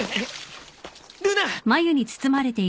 ルナ。